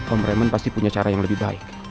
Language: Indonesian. om raymond pasti punya cara yang lebih baik